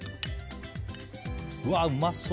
うわー、うまそう。